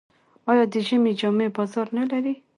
آیا د ژمي جامې بازار نلري؟